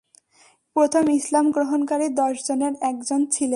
প্রথম ইসলাম গ্রহণকারী দশজনের একজন ছিলেন।